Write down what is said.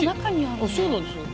あそうなんですよ。